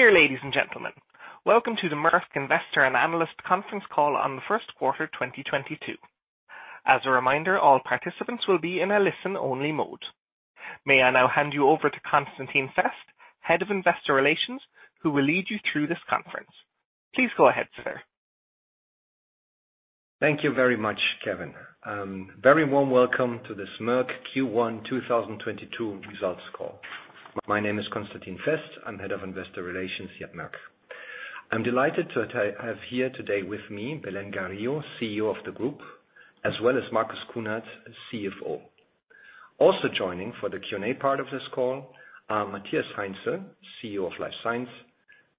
Dear ladies and gentlemen, welcome to the Merck Investor and Analyst Conference Call on the first quarter 2022. As a reminder, all participants will be in a listen-only mode. May I now hand you over to Constantin Fest, Head of Investor Relations, who will lead you through this conference. Please go ahead, sir. Thank you very much, Kevin. Very warm welcome to this Merck Q1 2022 results call. My name is Constantin Fest. I'm Head of Investor Relations here at Merck. I'm delighted to have here today with me, Belén Garijo, CEO of the group, as well as Marcus Kuhnert, CFO. Also joining for the Q&A part of this call are Matthias Heinzel, CEO of Life Science,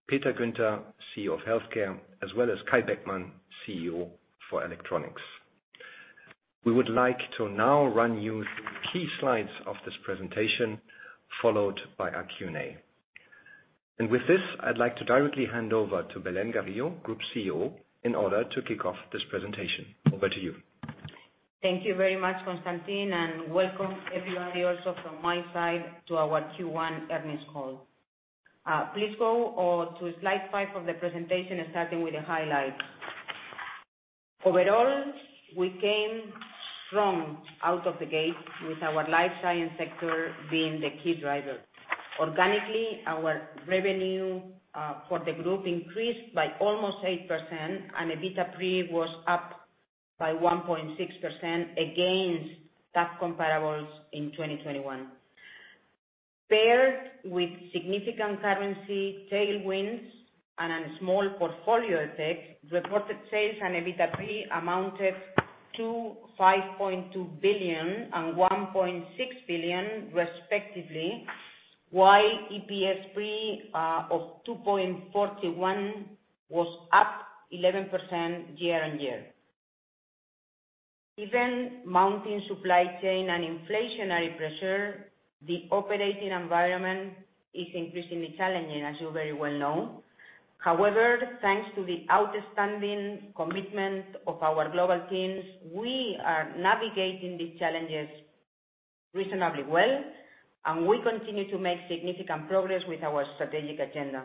Peter Guenter, CEO of Healthcare, as well as Kai Beckmann, CEO for Electronics. We would like to now run you through key slides of this presentation, followed by our Q&A. With this, I'd like to directly hand over to Belén Garijo, Group CEO, in order to kick off this presentation. Over to you. Thank you very much, Constantin, and welcome everybody also from my side to our Q1 earnings call. Please go to slide five of the presentation, starting with the highlights. Overall, we came strong out of the gate with our life science sector being the key driver. Organically, our revenue for the group increased by almost 8%, and EBITDA pre was up by 1.6% against tough comparables in 2021. Paired with significant currency tailwinds and a small portfolio effect, reported sales and EBITDA pre amounted to 5.2 billion and 1.6 billion, respectively. While EPS pre of 2.41 was up 11% year-on-year. Given mounting supply chain and inflationary pressure, the operating environment is increasingly challenging, as you very well know. However, thanks to the outstanding commitment of our global teams, we are navigating these challenges reasonably well, and we continue to make significant progress with our strategic agenda.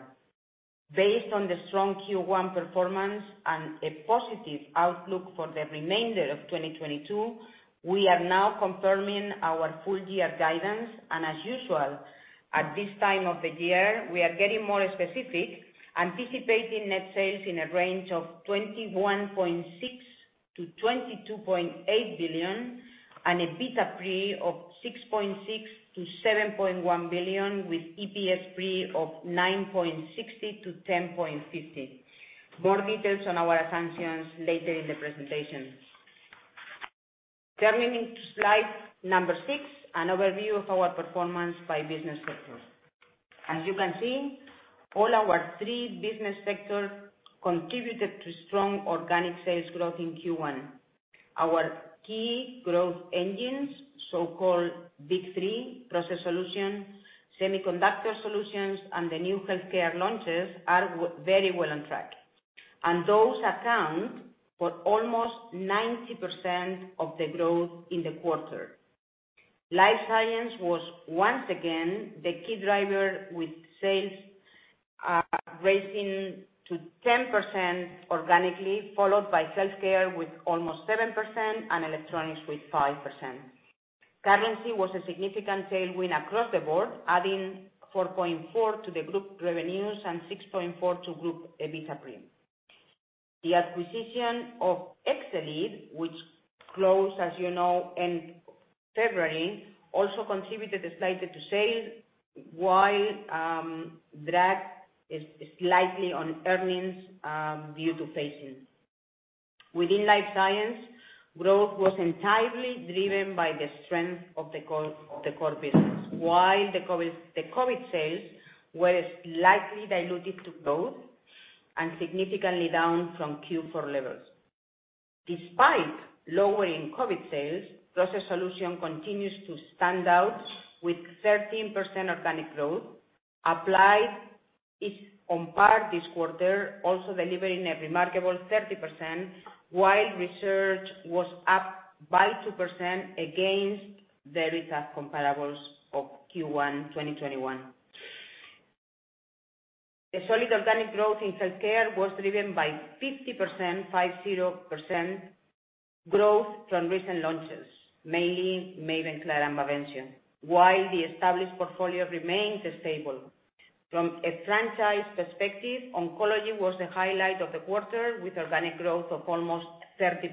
Based on the strong Q1 performance and a positive outlook for the remainder of 2022, we are now confirming our full year guidance. As usual, at this time of the year, we are getting more specific, anticipating net sales in a range of 21.6 billion-22.8 billion and EBITDA pre of 6.6 billion-7.1 billion, with EPS pre of 9.60-10.50. More details on our assumptions later in the presentation. Turning to slide six, an overview of our performance by business sectors. As you can see, all our three business sectors contributed to strong organic sales growth in Q1. Our key growth engines, so-called Big Three, Process Solutions, and the new Healthcare launches, are very well on track. Those account for almost 90% of the growth in the quarter. Life Science was once again the key driver with sales raising to 10% organically, followed by Healthcare with almost 7% and Electronics with 5%. Currency was a significant tailwind across the board, adding 4.4 to the group revenues and 6.4 to group EBITDA pre. The acquisition of Exelead, which closed, as you know, end February, also contributed slightly to sales, while drag is slightly on earnings due to phasing. Within Life Science, growth was entirely driven by the strength of the core business, while the COVID sales were slightly dilutive to growth and significantly down from Q4 levels. Despite lowering COVID sales, Process Solutions continues to stand out with 13% organic growth. Applied Solutions is on par this quarter, also delivering a remarkable 30%, while Research Solutions was up by 2% against the results comparables of Q1 2021. Solid organic growth in Healthcare was driven by 50%, 50% growth from recent launches, mainly MAVENCLAD and BAVENCIO, while the established portfolio remains stable. From a franchise perspective, oncology was the highlight of the quarter with organic growth of almost 30%.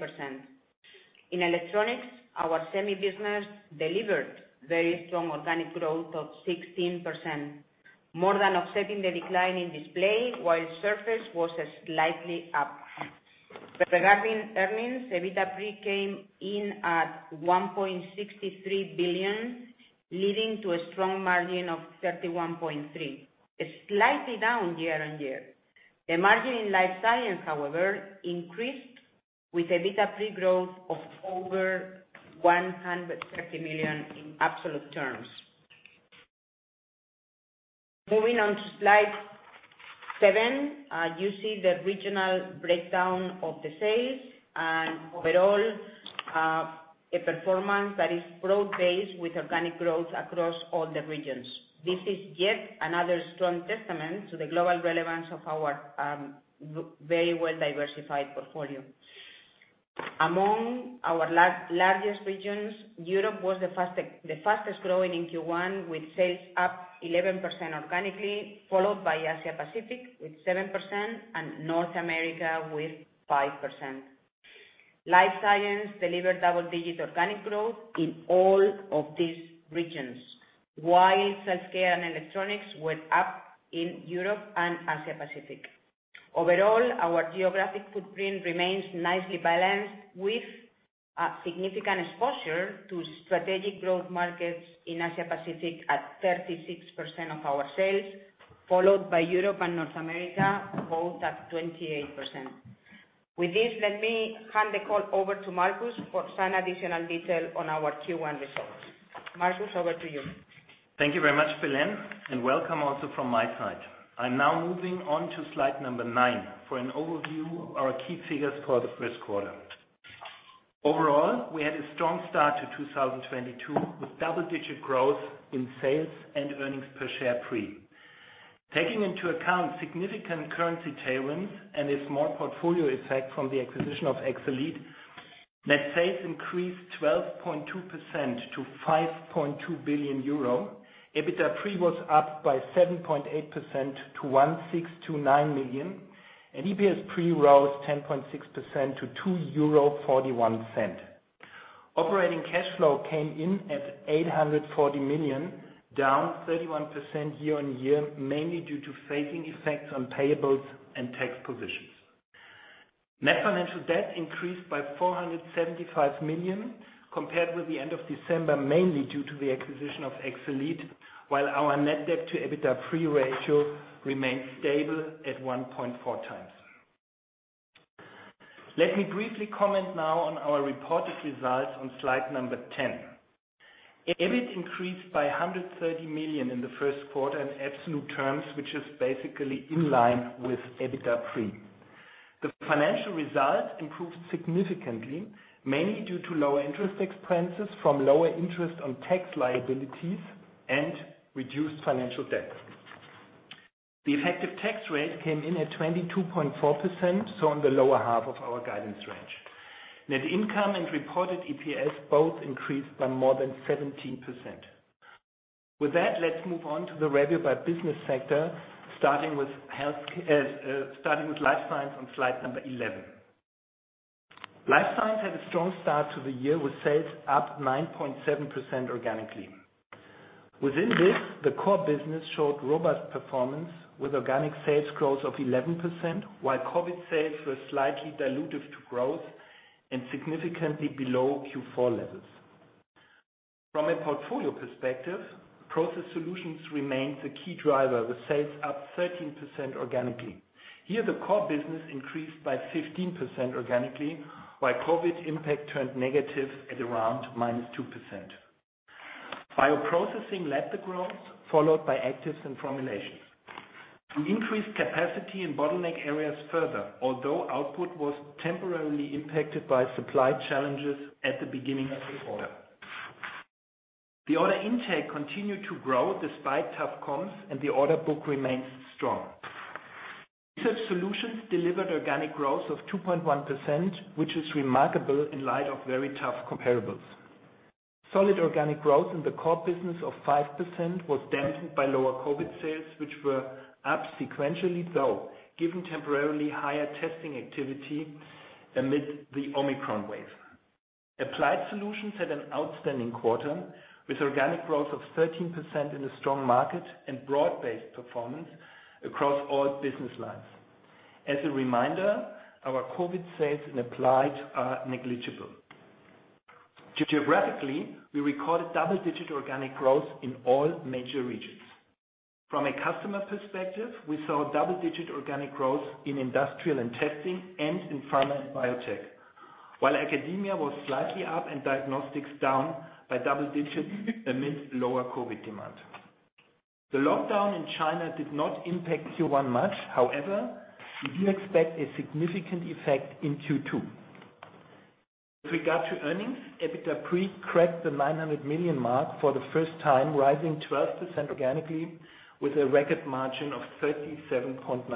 In electronics, our semi business delivered very strong organic growth of 16%, more than offsetting the decline in display, while surface was slightly up. Regarding earnings, EBITDA pre came in at 1.63 billion, leading to a strong margin of 31.3%, slightly down year-on-year. The margin in life science, however, increased with EBITDA pre-growth of over 130 million in absolute terms. Moving on to slide seven, you see the regional breakdown of the sales and overall, a performance that is broad-based with organic growth across all the regions. This is yet another strong testament to the global relevance of our very well diversified portfolio. Among our largest regions, Europe was the fastest-growing in Q1, with sales up 11% organically, followed by Asia Pacific with 7%, and North America with 5%. Life science delivered double-digit organic growth in all of these regions, while self-care and electronics were up in Europe and Asia Pacific. Overall, our geographic footprint remains nicely balanced, with a significant exposure to strategic growth markets in Asia Pacific at 36% of our sales, followed by Europe and North America, both at 28%. With this, let me hand the call over to Marcus for some additional detail on our Q1 results. Marcus, over to you. Thank you very much, Belén, and welcome also from my side. I'm now moving on to slide nine for an overview of our key figures for the first quarter. Overall, we had a strong start to 2022, with double-digit growth in sales and earnings per share pre. Taking into account significant currency tailwinds and a small portfolio effect from the acquisition of Exelead, net sales increased 12.2% to 5.2 billion euro. EBITDA pre was up by 7.8% to 1,629 million, and EPS pre rose 10.6% to 2.41 euro. Operating cash flow came in at 840 million, down 31% year-on-year, mainly due to phasing effects on payables and tax positions. Net financial debt increased by 475 million compared with the end of December, mainly due to the acquisition of Exelead, while our net debt to EBITDA pre ratio remained stable at 1.4x. Let me briefly comment now on our reported results on slide 10. EBITDA increased by 130 million in the first quarter in absolute terms, which is basically in line with EBITDA pre. The financial results improved significantly, mainly due to lower interest expenses from lower interest on tax liabilities and reduced financial debt. The effective tax rate came in at 22.4%, so on the lower half of our guidance range. Net income and reported EPS both increased by more than 17%. With that, let's move on to the review by business sector, starting with Life Science on slide number 11. Life Science had a strong start to the year with sales up 9.7% organically. Within this, the core business showed robust performance with organic sales growth of 11%, while COVID sales were slightly dilutive to growth and significantly below Q4 levels. From a portfolio perspective, Process Solutions remains a key driver with sales up 13% organically. Here, the core business increased by 15% organically, while COVID impact turned negative at around -2%. Bioprocessing led the growth, followed by actives and formulations. We increased capacity in bottleneck areas further, although output was temporarily impacted by supply challenges at the beginning of the quarter. The order intake continued to grow despite tough comps, and the order book remains strong. Research Solutions delivered organic growth of 2.1%, which is remarkable in light of very tough comparables. Solid organic growth in the core business of 5% was dampened by lower COVID sales, which were up sequentially, though, given temporarily higher testing activity amid the Omicron wave. Applied Solutions had an outstanding quarter, with organic growth of 13% in a strong market and broad-based performance across all business lines. As a reminder, our COVID sales in Applied are negligible. Geographically, we recorded double-digit organic growth in all major regions. From a customer perspective, we saw double-digit organic growth in industrial and testing and in pharma and biotech, while academia was slightly up and diagnostics down by double digits amid lower COVID demand. The lockdown in China did not impact Q1 much. However, we do expect a significant effect in Q2. With regard to earnings, EBITDA pre cracked the 900 million mark for the first time, rising 12% organically with a record margin of 37.9%.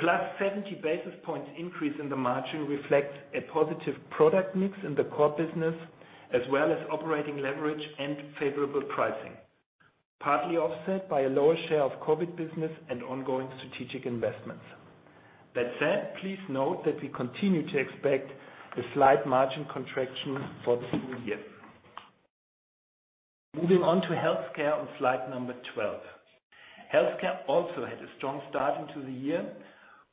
+70 basis points increase in the margin reflect a positive product mix in the core business, as well as operating leverage and favorable pricing, partly offset by a lower share of COVID business and ongoing strategic investments. That said, please note that we continue to expect a slight margin contraction for the full year. Moving on to healthcare on slide 12. Healthcare also had a strong start into the year,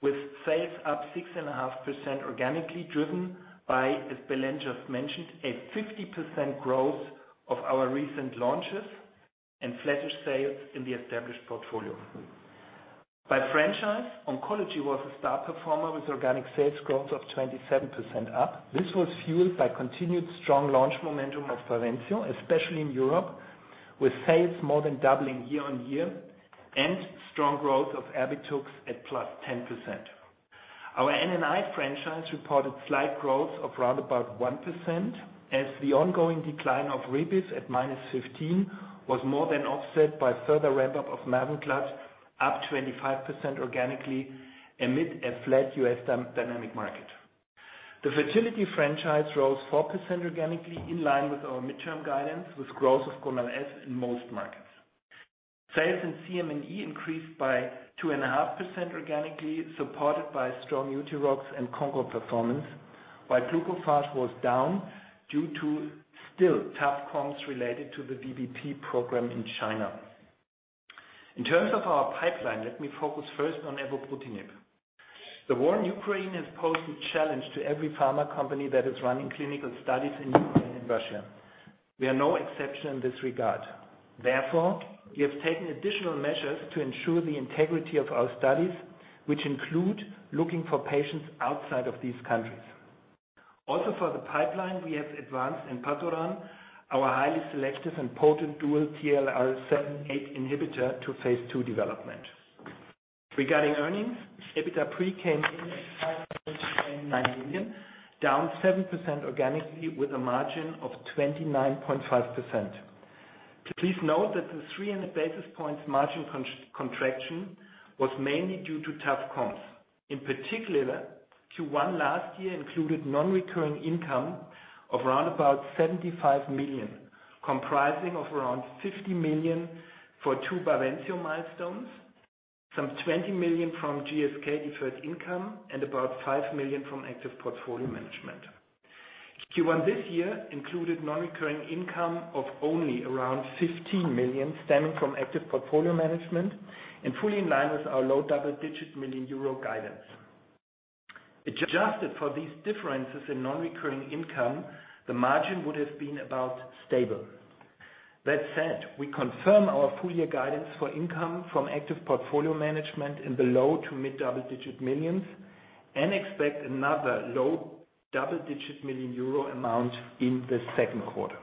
with sales up 6.5% organically, driven by, as Belén just mentioned, a 50% growth of our recent launches and flattish sales in the established portfolio. By franchise, oncology was a star performer with organic sales growth of 27% up. This was fueled by continued strong launch momentum of BAVENCIO, especially in Europe, with sales more than doubling year-over-year and strong growth of Erbitux at +10%. Our N&I franchise reported slight growth of about 1% as the ongoing decline of Rebif at -15% was more than offset by further ramp-up of MAVENCLAD up +25% organically amid a flat U.S. MS market. The fertility franchise rose 4% organically in line with our midterm guidance, with growth of GONAL-f in most markets. Sales in CM&E increased by 2.5% organically, supported by strong Euthyrox and Concor performance, while Glucophage was down due to still tough comps related to the VBP program in China. In terms of our pipeline, let me focus first on evobrutinib. The war in Ukraine has posed a challenge to every pharma company that is running clinical studies in Ukraine and Russia. We are no exception in this regard. Therefore, we have taken additional measures to ensure the integrity of our studies, which include looking for patients outside of these countries. Also, for the pipeline, we have advanced enpatoran, our highly selective and potent dual TLR7/8 inhibitor to phase II development. Regarding earnings, EBITDA pre came in at 5.9 million, down 7% organically with a margin of 29.5%. Please note that the 300 basis points margin contraction was mainly due to tough comps. In particular, Q1 last year included non-recurring income of around 75 million, comprising of around 50 million for two BAVENCIO milestones, some 20 million from GSK deferred income, and about 5 million from active portfolio management. Q1 this year included non-recurring income of only around 15 million, stemming from active portfolio management and fully in line with our low double-digit million euro guidance. Adjusted for these differences in non-recurring income, the margin would have been about stable. That said, we confirm our full year guidance for income from active portfolio management in the low to mid double-digit millions and expect another low double-digit million EUR amount in the second quarter.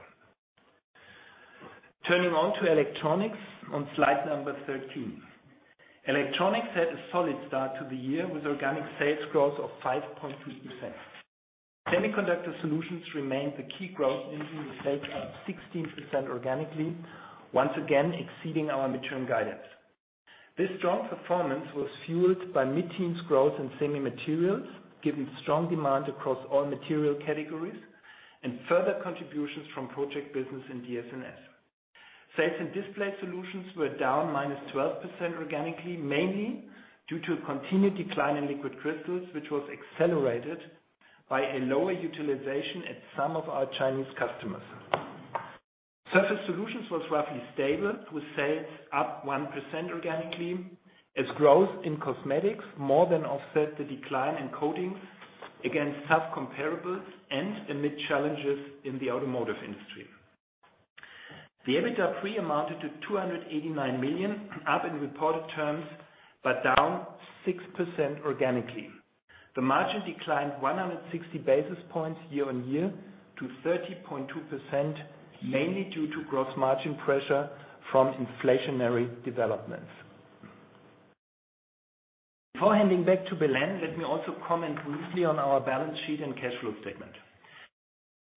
Turning to Electronics on slide 13. Electronics had a solid start to the year with organic sales growth of 5.2%. Semiconductor Solutions remained the key growth engine, with sales up 16% organically, once again exceeding our midterm guidance. This strong performance was fueled by mid-teens growth in semi materials, given strong demand across all material categories and further contributions from project business in DS&S. Display Solutions sales were down -12% organically, mainly due to a continued decline in liquid crystals, which was accelerated by a lower utilization at some of our Chinese customers. Surface Solutions was roughly stable, with sales up 1% organically as growth in cosmetics more than offset the decline in coatings against tough comparables and amid challenges in the automotive industry. The EBITDA pre amounted to 289 million, up in reported terms but down 6% organically. The margin declined 160 basis points year-on-year to 30.2%, mainly due to gross margin pressure from inflationary developments. Before handing back to Belén, let me also comment briefly on our balance sheet and cash flow statement. You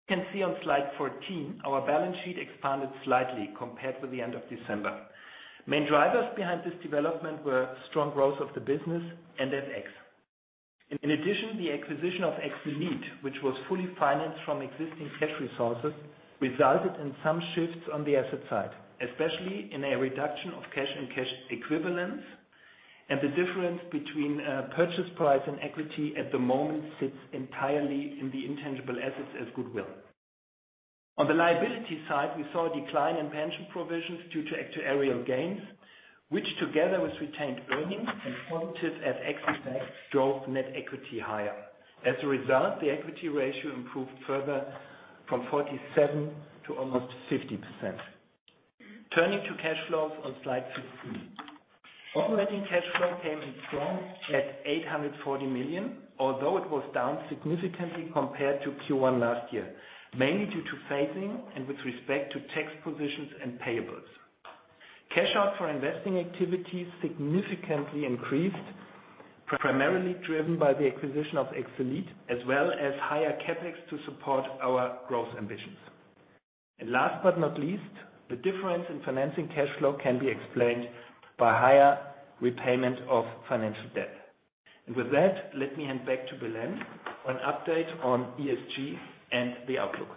can see on slide 14, our balance sheet expanded slightly compared with the end of December. Main drivers behind this development were strong growth of the business and FX. In addition, the acquisition of Exelead, which was fully financed from existing cash resources, resulted in some shifts on the asset side, especially in a reduction of cash and cash equivalents. The difference between purchase price and equity at the moment sits entirely in the intangible assets as goodwill. On the liability side, we saw a decline in pension provisions due to actuarial gains, which together with retained earnings and positive at exit tax, drove net equity higher. As a result, the equity ratio improved further from 47% to almost 50%. Turning to cash flows on slide 15. Operating cash flow came in strong at 840 million, although it was down significantly compared to Q1 last year, mainly due to phasing and with respect to tax positions and payables. Cash out for investing activities significantly increased, primarily driven by the acquisition of Exelead, as well as higher CapEx to support our growth ambitions. Last but not least, the difference in financing cash flow can be explained by higher repayment of financial debt. With that, let me hand back to Belén on update on ESG and the outlook.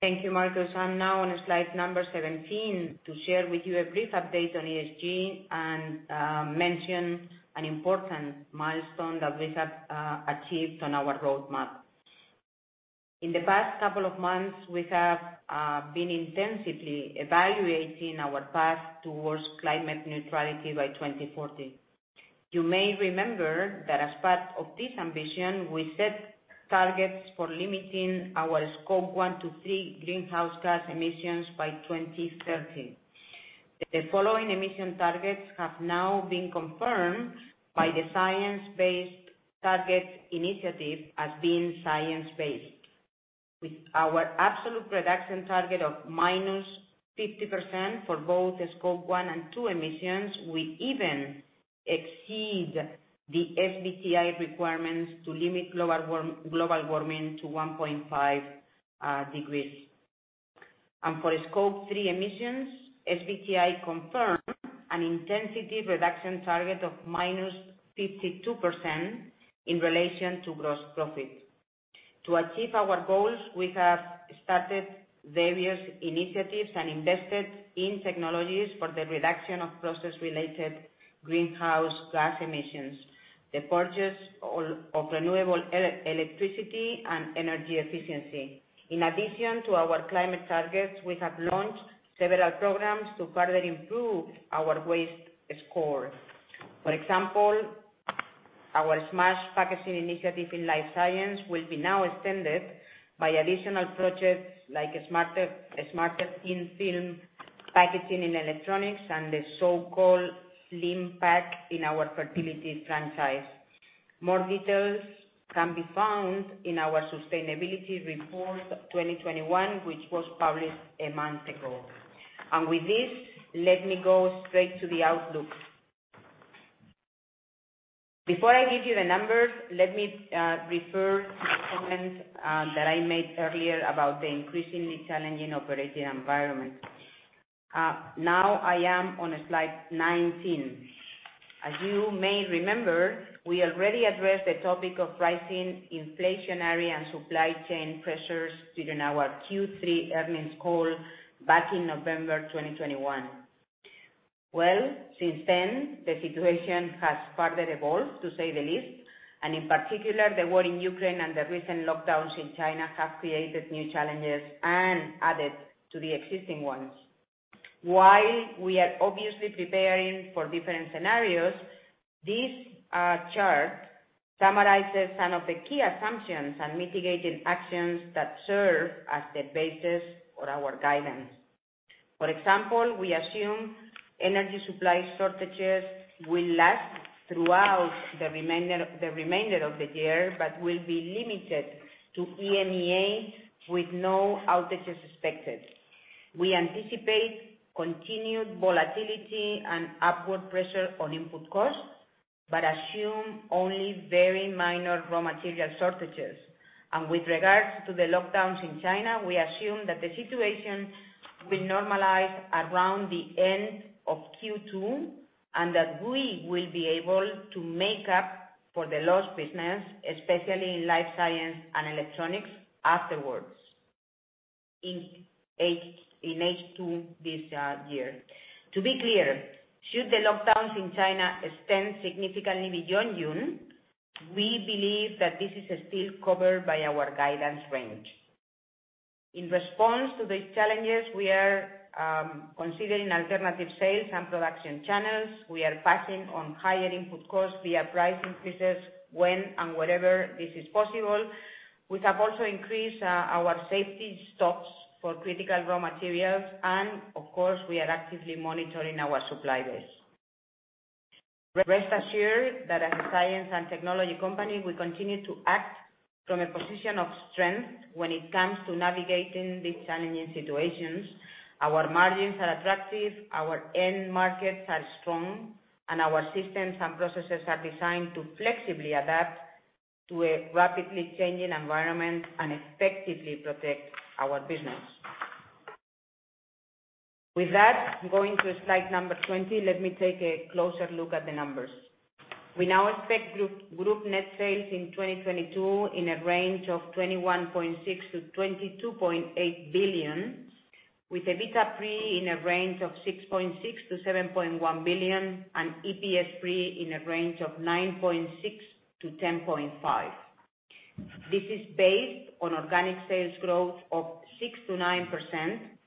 Thank you, Markus. I'm now on slide number 17 to share with you a brief update on ESG and mention an important milestone that we have achieved on our roadmap. In the past couple of months, we have been intensively evaluating our path towards climate neutrality by 2040. You may remember that as part of this ambition, we set targets for limiting our Scope 1 to 3 greenhouse gas emissions by 2030. The following emission targets have now been confirmed by the Science Based Targets initiative as being science-based. With our absolute production target of -50% for both the Scope 1 and 2 emissions, we even exceed the SBTi requirements to limit global warming to 1.5 degrees. For Scope 3 emissions, SBTi confirmed an intensity reduction target of -52% in relation to gross profit. To achieve our goals, we have started various initiatives and invested in technologies for the reduction of process-related greenhouse gas emissions, the purchase of renewable electricity and energy efficiency. In addition to our climate targets, we have launched several programs to further improve our waste score. For example, our SMASH Packaging initiative in Life Science will now be extended by additional projects like smarter in-film packaging in electronics and the so-called Slim Pack in our fertility franchise. More details can be found in our sustainability report of 2021, which was published a month ago. With this, let me go straight to the outlook. Before I give you the numbers, let me refer to the comments that I made earlier about the increasingly challenging operating environment. Now I am on slide 19. As you may remember, we already addressed the topic of rising inflationary and supply chain pressures during our Q3 earnings call back in November 2021. Well, since then, the situation has further evolved, to say the least. In particular, the war in Ukraine and the recent lockdowns in China have created new challenges and added to the existing ones. While we are obviously preparing for different scenarios, this chart summarizes some of the key assumptions and mitigating actions that serve as the basis for our guidance. For example, we assume energy supply shortages will last throughout the remainder of the year, but will be limited to EMEA, with no outages expected. We anticipate continued volatility and upward pressure on input costs, but assume only very minor raw material shortages. With regards to the lockdowns in China, we assume that the situation will normalize around the end of Q2, and that we will be able to make up for the lost business, especially in Life Science and Electronics afterwards in H2 this year. To be clear, should the lockdowns in China extend significantly beyond June, we believe that this is still covered by our guidance range. In response to these challenges, we are considering alternative sales and production channels. We are passing on higher input costs via price increases when and wherever this is possible. We have also increased our safety stocks for critical raw materials, and of course, we are actively monitoring our suppliers. Rest assured that as a science and technology company, we continue to act from a position of strength when it comes to navigating these challenging situations. Our margins are attractive, our end markets are strong, and our systems and processes are designed to flexibly adapt to a rapidly changing environment and effectively protect our business. With that, going to slide number 20, let me take a closer look at the numbers. We now expect group net sales in 2022 in a range of 21.6 billion-22.8 billion, with EBITDA pre in a range of 6.6 billion-7.1 billion, and EPS pre in a range of 9.6-10.5. This is based on organic sales growth of 6%-9%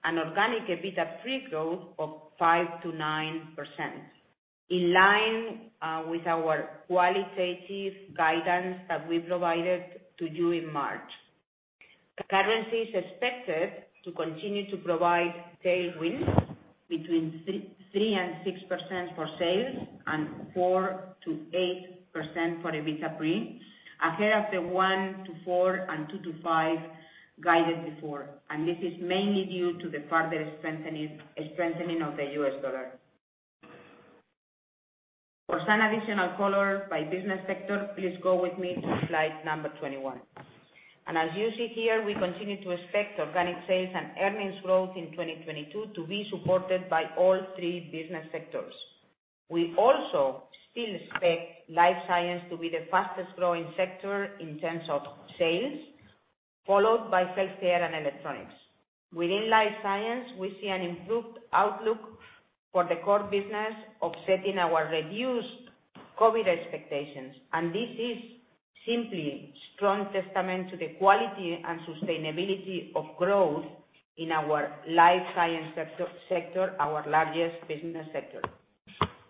and organic EBITDA pre-growth of 5%-9%, in line with our qualitative guidance that we provided to you in March. Currency is expected to continue to provide tailwinds between 3%-6% for sales and 4%-8% for EBITDA pre, ahead of the 1%-4% and 2%-5% guided before. This is mainly due to the further strengthening of the US dollar. For some additional color by business sector, please go with me to slide number 21. As you see here, we continue to expect organic sales and earnings growth in 2022 to be supported by all three business sectors. We also still expect Life Science to be the fastest growing sector in terms of sales, followed by Self-Care and Electronics. Within Life Science, we see an improved outlook for the core business, offsetting our reduced COVID expectations. This is simply strong testament to the quality and sustainability of growth in our Life Science sector, our largest business sector.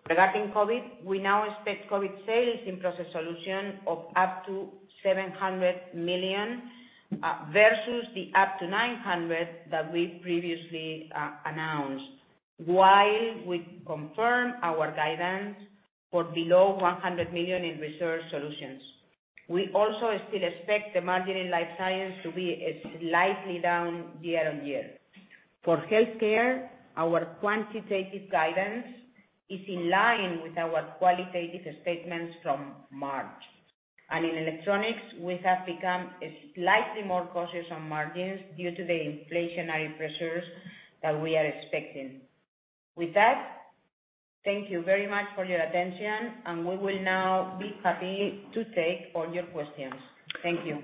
Regarding COVID, we now expect COVID sales in Process Solutions of up to 700 million versus the up to 900 million that we previously announced. While we confirm our guidance for below 100 million in Research Solutions. We also still expect the margin in Life Science to be slightly down year-over-year. For Healthcare, our quantitative guidance is in line with our qualitative statements from March. In electronics, we have become slightly more cautious on margins due to the inflationary pressures that we are expecting. With that, thank you very much for your attention, and we will now be happy to take all your questions. Thank you.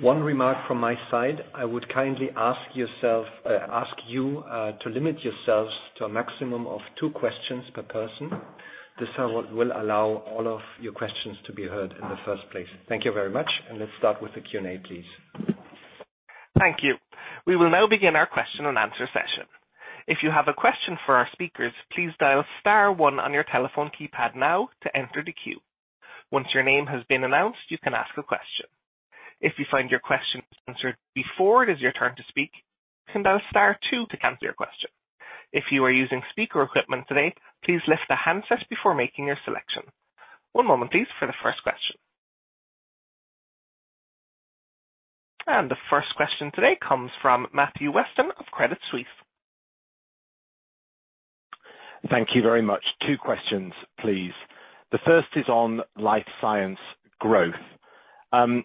One remark from my side. I would kindly ask you to limit yourselves to a maximum of two questions per person. This will allow all of your questions to be heard in the first place. Thank you very much. Let's start with the Q&A, please. Thank you. We will now begin our question and answer session. If you have a question for our speakers, please dial star one on your telephone keypad now to enter the queue. Once your name has been announced, you can ask a question. If you find your question answered before it is your turn to speak, you can dial star two to cancel your question. If you are using speaker equipment today, please lift the handset before making your selection. One moment, please, for the first question. The first question today comes from Matthew Weston of Credit Suisse. Thank you very much. Two questions, please. The first is on life science growth. Belén,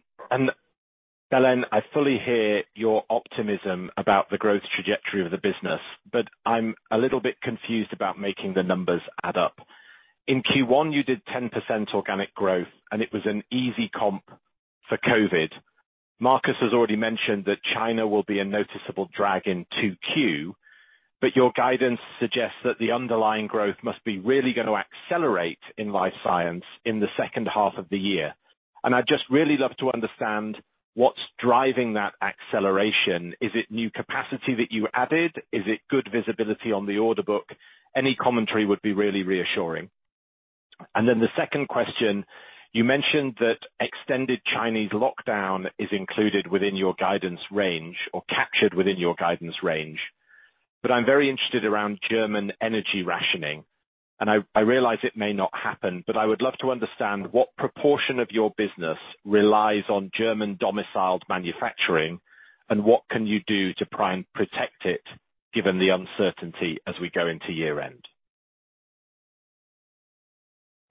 I fully hear your optimism about the growth trajectory of the business, but I'm a little bit confused about making the numbers add up. In Q1, you did 10% organic growth, and it was an easy comp for COVID. Marcus has already mentioned that China will be a noticeable drag in 2Q, but your guidance suggests that the underlying growth must be really going to accelerate in life science in the second half of the year. I'd just really love to understand what's driving that acceleration. Is it new capacity that you added? Is it good visibility on the order book? Any commentary would be really reassuring. Then the second question, you mentioned that extended Chinese lockdown is included within your guidance range or captured within your guidance range. I'm very interested around German energy rationing, and I realize it may not happen, but I would love to understand what proportion of your business relies on German domiciled manufacturing, and what can you do to try and protect it given the uncertainty as we go into year-end.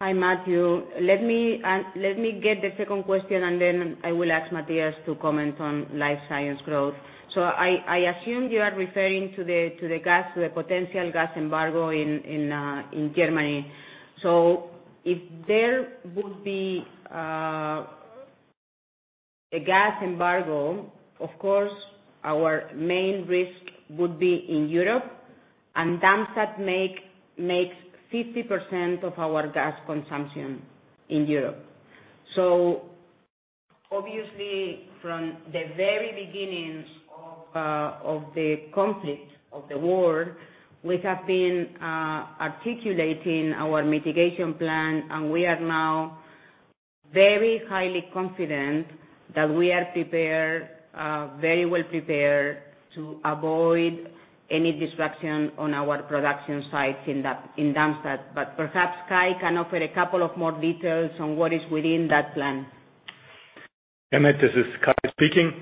Hi, Matthew. Let me get the second question, and then I will ask Matthias to comment on life science growth. I assume you are referring to the gas, the potential gas embargo in Germany. If there would be a gas embargo, of course, our main risk would be in Europe and Darmstadt makes 50% of our gas consumption in Europe. Obviously, from the very beginnings of the conflict of the war, we have been articulating our mitigation plan, and we are now very highly confident that we are very well prepared to avoid any disruption on our production sites in Darmstadt. Perhaps Kai can offer a couple of more details on what is within that plan. Hey, Matt. This is Kai speaking.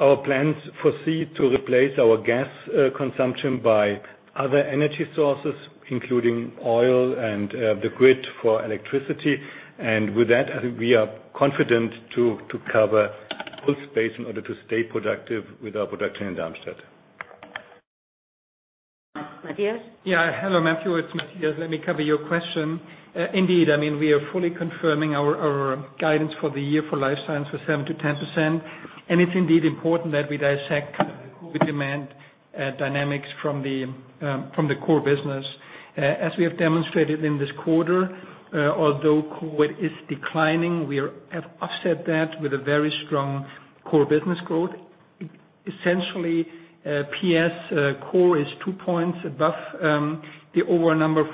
Our plans foresee to replace our gas consumption by other energy sources, including oil and the grid for electricity. With that, I think we are confident to cover full scope in order to stay productive with our production in Darmstadt. Matthias? Hello, Matthew. It's Matthias. Let me cover your question. Indeed, I mean, we are fully confirming our guidance for the year for Life Science for 7%-10%. It's indeed important that we dissect COVID demand dynamics from the core business. As we have demonstrated in this quarter, although COVID is declining, we have offset that with a very strong core business growth. Essentially, PS core is two points above the overall number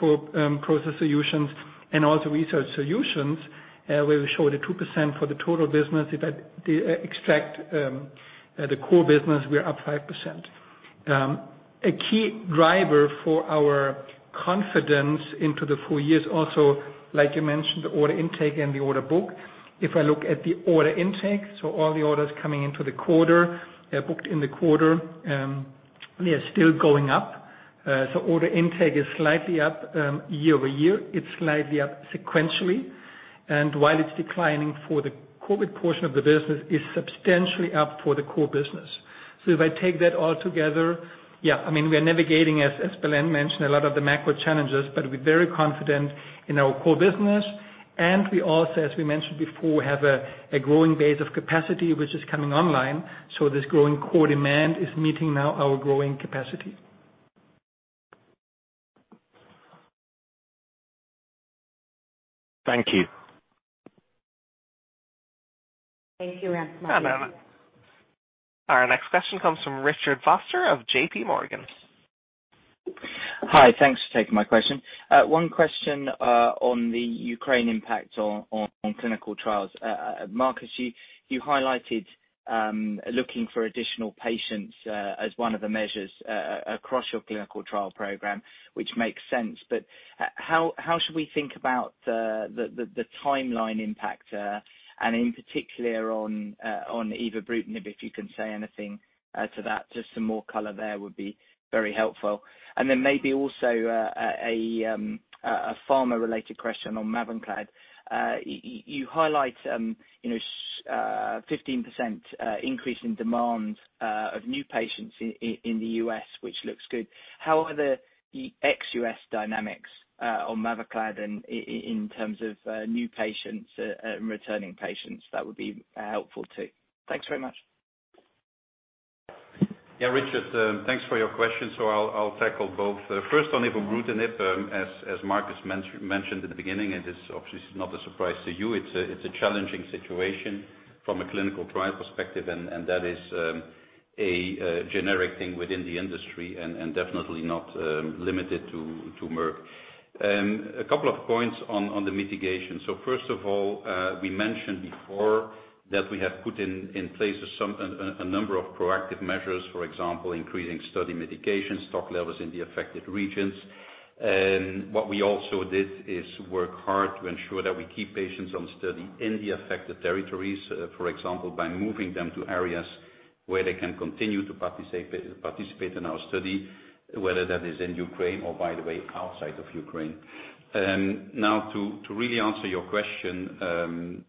for Process Solutions and also Research Solutions, where we show the 2% for the total business. If I extract the core business, we are up 5%. A key driver for our confidence into the full year is also, like you mentioned, the order intake and the order book. If I look at the order intake, so all the orders coming into the quarter, booked in the quarter, they are still going up. Order intake is slightly up year over year. It's slightly up sequentially. While it's declining for the COVID portion of the business, it's substantially up for the core business. If I take that all together, yeah, I mean, we are navigating, as Belén mentioned, a lot of the macro challenges, but we're very confident in our core business. We also, as we mentioned before, have a growing base of capacity, which is coming online. This growing core demand is meeting now our growing capacity. Thank you. Thank you, Ram. Our next question comes from Richard Vosser of JPMorgan. Hi. Thanks for taking my question. One question on the Ukraine impact on clinical trials. Marcus, you highlighted looking for additional patients as one of the measures across your clinical trial program, which makes sense. How should we think about the timeline impact, and in particular on ibrutinib, if you can say anything as to that. Just some more color there would be very helpful. Maybe also a pharma related question on Mavyret. You highlight you know 15% increase in demand of new patients in the U.S., which looks good. How are the ex-U.S. dynamics on Mavyret in terms of new patients, returning patients? That would be helpful too. Thanks very much. Yeah, Richard, thanks for your question. I'll tackle both. First on ibrutinib, as Marcus mentioned in the beginning, it is obviously not a surprise to you. It's a challenging situation from a clinical trial perspective, and that is a generic thing within the industry and definitely not limited to Merck. A couple of points on the mitigation. First of all, we mentioned before that we have put in place a number of proactive measures, for example, increasing study medication stock levels in the affected regions. What we also did is work hard to ensure that we keep patients on study in the affected territories, for example, by moving them to areas where they can continue to participate in our study, whether that is in Ukraine or, by the way, outside of Ukraine. Now, to really answer your question,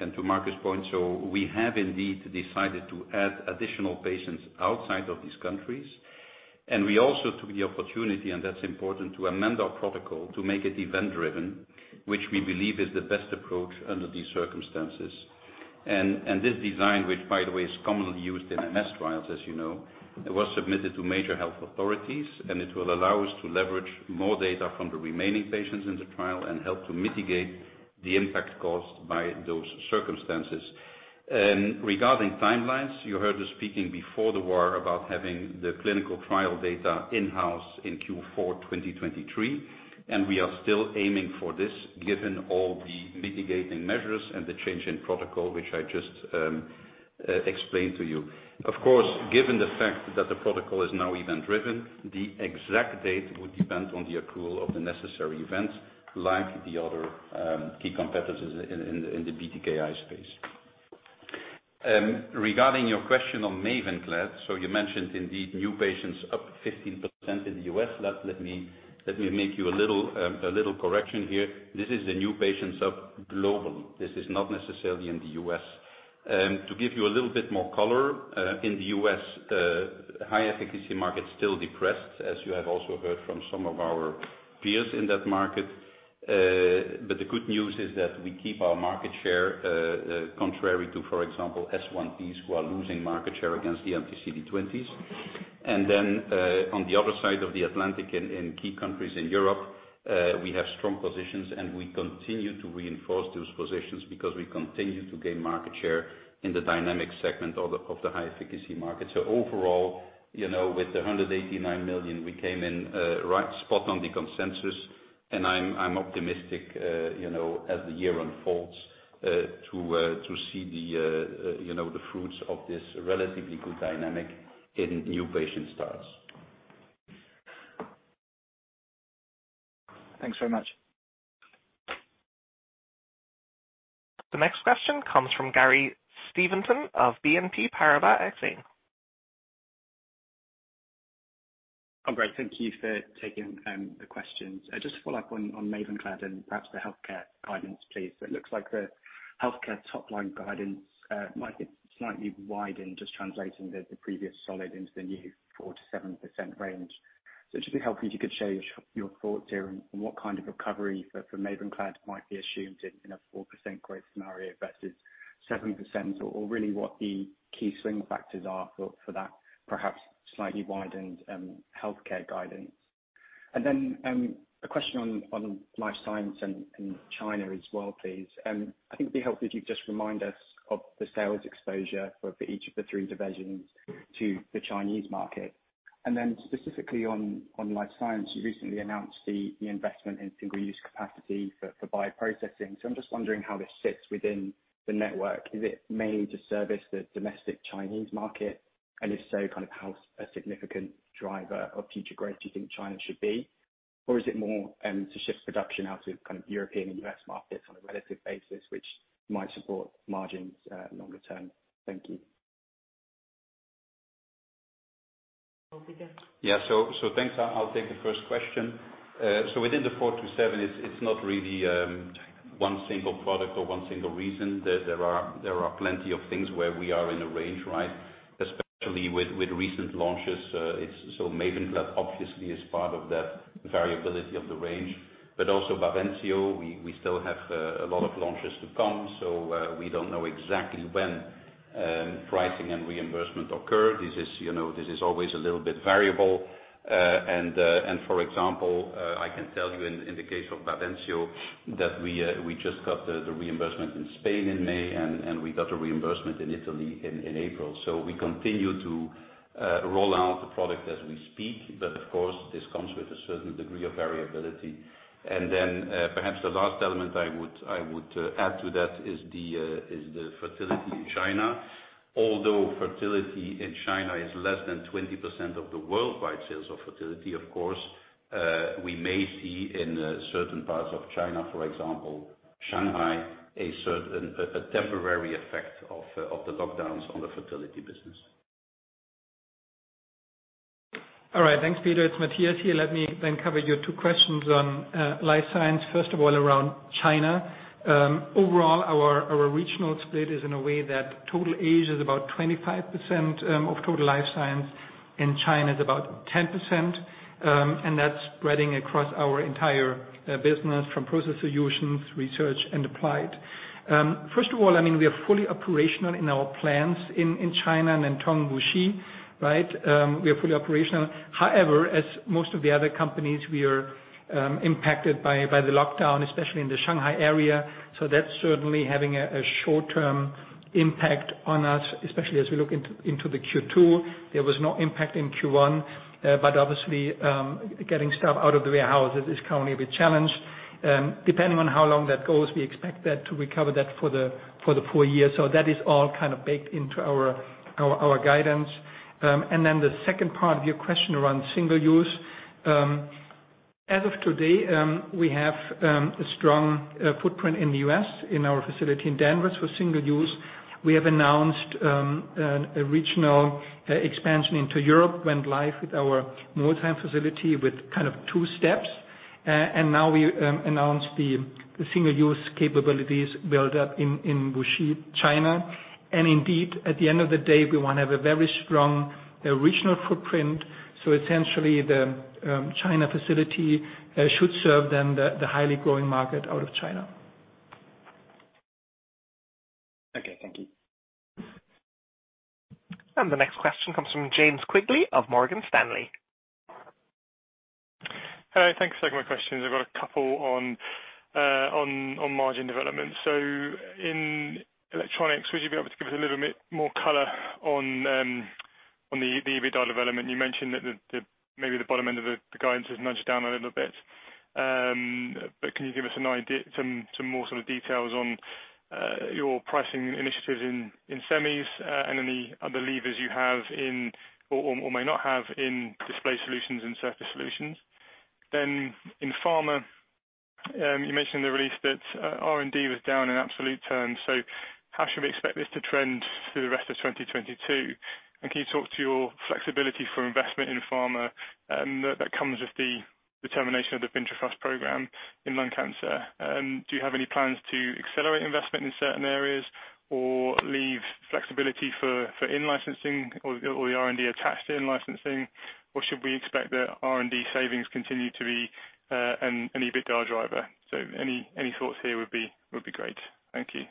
and to Marcus' point, we have indeed decided to add additional patients outside of these countries. We also took the opportunity, and that's important, to amend our protocol to make it event-driven, which we believe is the best approach under these circumstances. This design, which by the way, is commonly used in MS trials, as you know, it was submitted to major health authorities, and it will allow us to leverage more data from the remaining patients in the trial and help to mitigate the impact caused by those circumstances. Regarding timelines, you heard us speaking before the war about having the clinical trial data in-house in Q4 2023, and we are still aiming for this, given all the mitigating measures and the change in protocol, which I just explained to you. Of course, given the fact that the protocol is now event-driven, the exact date would depend on the accrual of the necessary events like the other key competitors in the BTKi space. Regarding your question on Mavyret, you mentioned indeed new patients up 15% in the U.S. Let me make you a little correction here. This is the new patients globally. This is not necessarily in the U.S. To give you a little bit more color, in the U.S., high efficacy market still depressed, as you have also heard from some of our peers in that market. The good news is that we keep our market share, contrary to, for example, S1Ps, who are losing market share against the anti-CD20s. On the other side of the Atlantic in key countries in Europe, we have strong positions, and we continue to reinforce those positions because we continue to gain market share in the dynamic segment of the high efficacy market. Overall, you know, with the 189 million, we came in right spot on the consensus. I'm optimistic, you know, as the year unfolds, to see the fruits of this relatively good dynamic in new patient starts. Thanks very much. The next question comes from Gary Steventon of BNP Paribas Exane. Oh, great. Thank you for taking the questions. Just to follow up on Mavyret and perhaps the healthcare guidance, please. It looks like the healthcare top line guidance might be slightly widened, just translating the previous solid into the new 4%-7% range. So it'd be helpful if you could share your thoughts here and what kind of recovery for Mavyret might be assumed in a 4% growth scenario versus 7% or really what the key swing factors are for that perhaps slightly widened healthcare guidance. Then, a question on Life Science and China as well, please. I think it'd be helpful if you could just remind us of the sales exposure for each of the three divisions to the Chinese market. Specifically on Life Science, you recently announced the investment in single-use capacity for bioprocessing. So I'm just wondering how this sits within the network. Is it mainly to service the domestic Chinese market? And if so, kind of how a significant driver of future growth do you think China should be? Or is it more to shift production out to kind of European and U.S. markets on a relative basis which might support margins longer term? Thank you. Thanks. I'll take the first question. Within the 4-7, it's not really one single product or one single reason. There are plenty of things where we are in a range, right? Especially with recent launches. It's so Mavyret obviously is part of that variability of the range. Also BAVENCIO, we still have a lot of launches to come, so we don't know exactly when pricing and reimbursement occur. This is, you know, always a little bit variable. For example, I can tell you in the case of BAVENCIO that we just got the reimbursement in Spain in May, and we got a reimbursement in Italy in April. We continue to roll out the product as we speak. Of course, this comes with a certain degree of variability. Then perhaps the last element I would add to that is the fertility in China. Although fertility in China is less than 20% of the worldwide sales of fertility, of course, we may see in certain parts of China, for example, Shanghai, a temporary effect of the lockdowns on the fertility business. All right. Thanks, Peter Guenter. It's Matthias Heinzel here. Let me then cover your two questions on Life Science. First of all, around China. Overall, our regional split is in a way that total Asia is about 25% of total Life Science, and China is about 10%. That's spreading across our entire business from Process Solutions, Research Solutions, and Applied Solutions. First of all, I mean, we are fully operational in our plants in China and in Tonglu, Wuxi, right? We are fully operational. However, as most of the other companies, we are impacted by the lockdown, especially in the Shanghai area. That's certainly having a short-term impact on us, especially as we look into the Q2. There was no impact in Q1. Obviously, getting stuff out of the warehouses is currently a bit challenged. Depending on how long that goes, we expect that to recover for the full year. That is all kind of baked into our guidance. Then the second part of your question around single use. As of today, we have a strong footprint in the U.S. in our facility in Danvers for single use. We have announced a global expansion into Europe, went live with our multi-site facility with kind of two steps. Now we announced the single use capabilities built up in Wuxi, China. Indeed, at the end of the day, we wanna have a very strong global footprint. Essentially the China facility should serve then the highly growing market out of China. Okay, thank you. The next question comes from James Quigley of Morgan Stanley. Hello, thanks for taking my questions. I've got a couple on margin development. In electronics, would you be able to give us a little bit more color on EBITDA development? You mentioned that maybe the bottom end of the guidance is nudged down a little bit. But can you give us an idea some more sort of details on your pricing initiatives in semis and any other levers you have in or may not have in Display Solutions and Surface Solutions? In pharma, you mentioned in the release that R&D was down in absolute terms, so how should we expect this to trend through the rest of 2022? Can you talk to your flexibility for investment in pharma, that comes with the termination of the Ventrafast program in lung cancer. Do you have any plans to accelerate investment in certain areas or leave flexibility for in-licensing or the R&D attached to in-licensing? Or should we expect that R&D savings continue to be an EBITDA driver? Any thoughts here would be great. Thank you.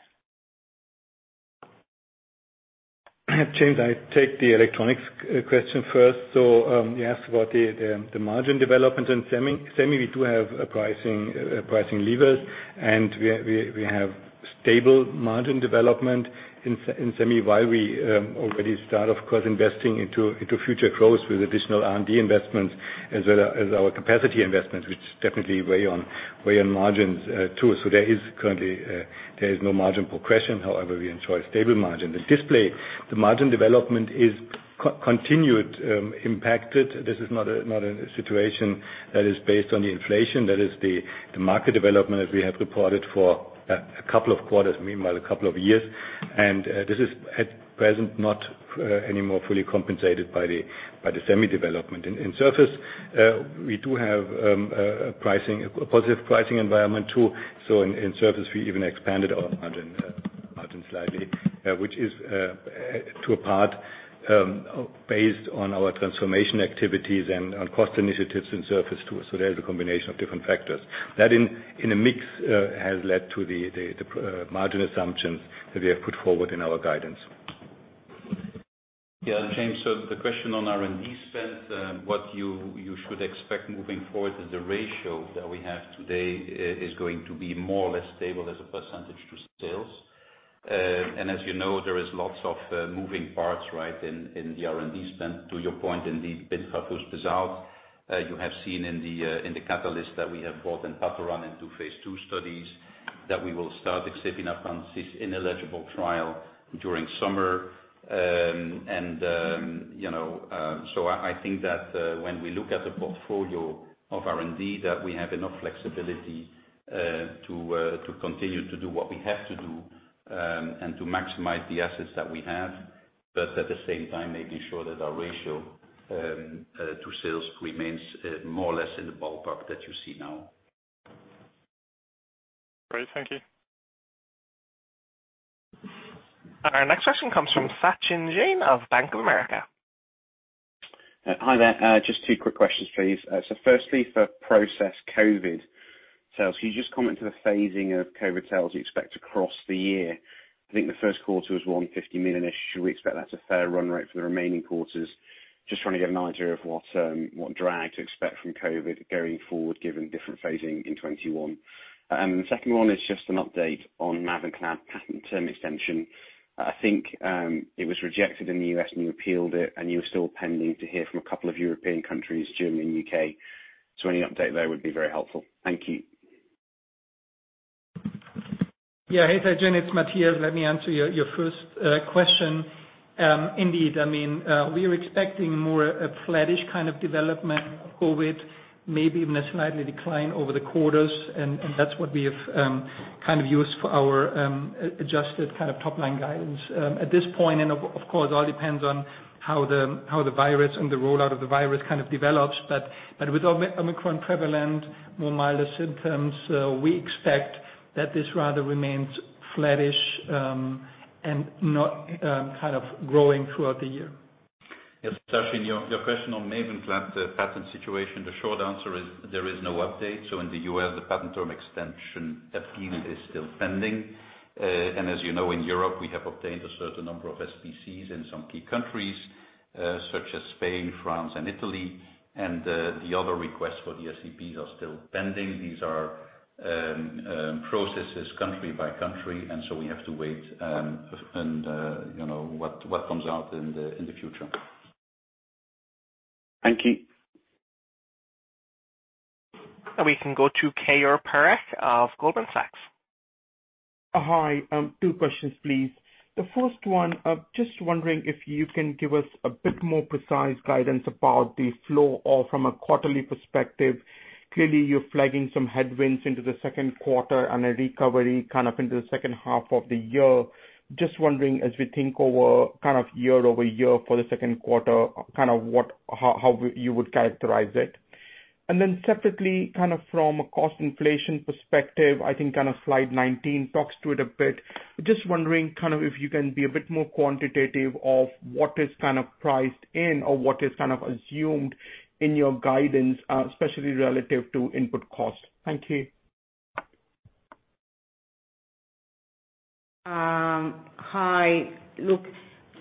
James, I take the electronics question first. You asked about the margin development. In semi we do have pricing levers, and we have stable margin development in semi while we already start, of course, investing into future growth with additional R&D investments, as well as our capacity investments, which definitely weigh on margins too. There is currently no margin progression. However, we enjoy stable margin. The display margin development is continued impacted. This is not a situation that is based on the inflation. That is the market development that we have reported for a couple of quarters, meanwhile a couple of years. This is at present not anymore fully compensated by the semi development. In Surface, we do have a positive pricing environment too. In Surface, we even expanded our margin slightly, which is in part based on our transformation activities and on cost initiatives in Surface too. There's a combination of different factors that, in a mix, has led to the margin assumptions that we have put forward in our guidance. Yeah, James. The question on R&D spend, what you should expect moving forward is the ratio that we have today is going to be more or less stable as a percentage to sales. As you know, there is lots of moving parts, right, in the R&D spend. To your point, indeed, Ventrafast is out. You have seen in the catalyst that we have both entanerone in 2 phase II studies, that we will start exepenafamcib initiation trial during summer. You know, I think that when we look at the portfolio of R&D, that we have enough flexibility to continue to do what we have to do and to maximize the assets that we have. At the same time, making sure that our ratio to sales remains more or less in the ballpark that you see now. Great. Thank you. Our next question comes from Sachin Jain of Bank of America. Just two quick questions, please. Firstly, for Process Solutions COVID sales, can you just comment on the phasing of COVID sales you expect across the year? I think the first quarter was 150 million-ish. Should we expect that to full run rate for the remaining quarters? Just want to get an idea of what drag to expect from COVID going forward, given different phasing in 2021. The second one is just an update on MAVENCLAD patent term extension. I think it was rejected in the U.S. when you appealed it, and you're still pending to hear from a couple of European countries, Germany and U.K. Any update there would be very helpful. Thank you. Yeah. Hey, Sachin, it's Matthias. Let me answer your first question. Indeed, I mean, we are expecting more of a flattish kind of development with COVID, maybe even a slight decline over the quarters, and that's what we have kind of used for our adjusted kind of top-line guidance. At this point, and of course, all depends on how the virus and the rollout of the virus kind of develops. But with Omicron prevalent, milder symptoms, we expect that this rather remains flattish, and not kind of growing throughout the year. Yes, Sachin, your question on MAVENCLAD, the patent situation, the short answer is there is no update. In the U.S., the patent term extension appeal is still pending. As you know, in Europe, we have obtained a certain number of SPCs in some key countries, such as Spain, France, and Italy. The other requests for the SPCs are still pending. These are processes country by country, and so we have to wait, and you know what comes out in the future. Thank you. We can go to Keyur Parekh of Goldman Sachs. Hi. Two questions, please. The first one, just wondering if you can give us a bit more precise guidance about the overall from a quarterly perspective. Clearly, you're flagging some headwinds into the second quarter and a recovery kind of into the second half of the year. Just wondering, as we think over kind of year-over-year for the second quarter, kind of how you would characterize it. Separately, kind of from a cost inflation perspective, I think kind of slide 19 talks to it a bit. Just wondering, kind of if you can be a bit more quantitative of what is kind of priced in or what is kind of assumed in your guidance, especially relative to input cost. Thank you. Hi. Look,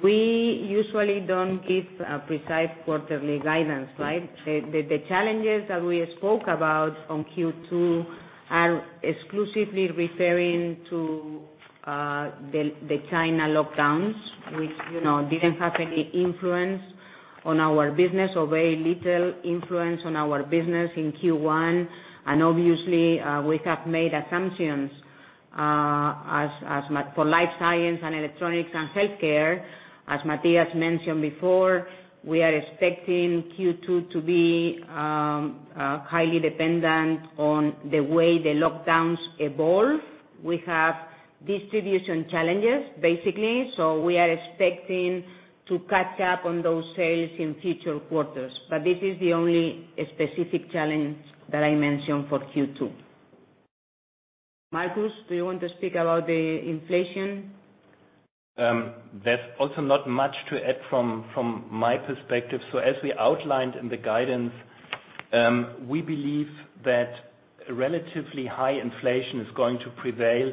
we usually don't give a precise quarterly guidance, right? The challenges that we spoke about on Q2 are exclusively referring to the China lockdowns, which, you know, didn't have any influence on our business, or very little influence on our business in Q1. Obviously, we have made assumptions as for life science and electronics and healthcare. As Matthias mentioned before, we are expecting Q2 to be highly dependent on the way the lockdowns evolve. We have distribution challenges, basically, so we are expecting to catch up on those sales in future quarters. This is the only specific challenge that I mention for Q2. Marcus, do you want to speak about the inflation? There's also not much to add from my perspective. As we outlined in the guidance, we believe that relatively high inflation is going to prevail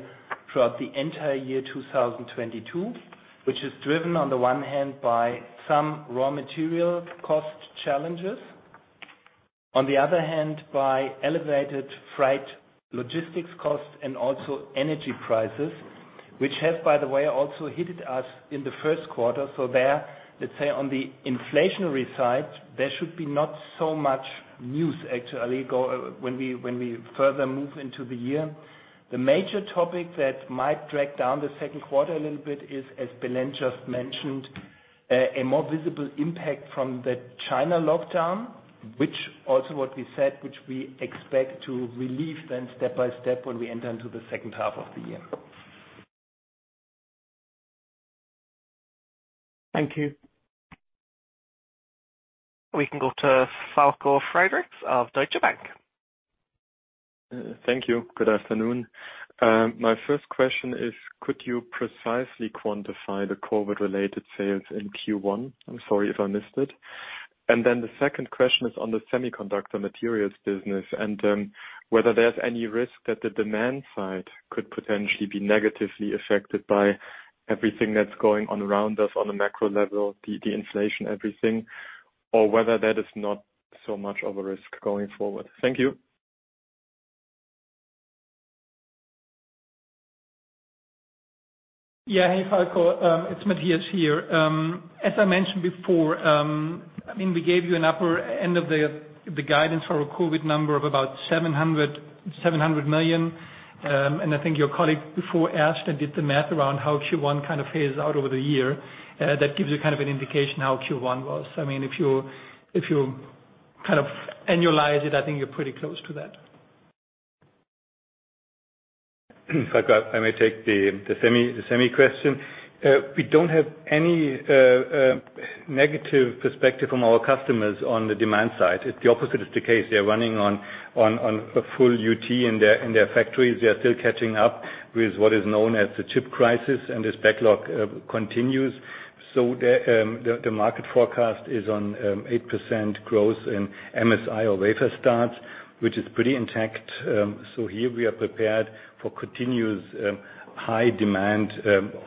throughout the entire year 2022, which is driven on the one hand by some raw material cost challenges. On the other hand, by elevated freight logistics costs and also energy prices, which has, by the way, also hit us in the first quarter. There, let's say on the inflationary side, there should be not so much news actually when we further move into the year. The major topic that might drag down the second quarter a little bit is, as Belén just mentioned, a more visible impact from the China lockdown, which we expect to relieve then step by step when we enter into the second half of the year. Thank you. We can go to Falko Friedrichs of Deutsche Bank. Thank you. Good afternoon. My first question is, could you precisely quantify the COVID-related sales in Q1? I'm sorry if I missed it. The second question is on the semiconductor materials business and, whether there's any risk that the demand side could potentially be negatively affected by everything that's going on around us on a macro level, the inflation, everything, or whether that is not so much of a risk going forward. Thank you. Yeah. Hey, Falko. It's Matthias here. As I mentioned before, I mean, we gave you an upper end of the guidance for our COVID number of about 700 million. I think your colleague before asked and did the math around how Q1 kind of phases out over the year. That gives you kind of an indication how Q1 was. I mean, if you kind of annualize it, I think you're pretty close to that. Falko, I may take the semi question. We don't have any negative perspective from our customers on the demand side. It's the opposite. That's the case. They're running on a full utilization in their factories. They are still catching up with what is known as the chip crisis, and this backlog continues. The market forecast is on 8% growth in MSI or wafer starts, which is pretty intact. Here we are prepared for continuous high demand